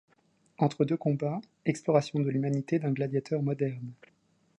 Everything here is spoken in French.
Entre deux combats, exploration de l'humanité d'un gladiateur moderne.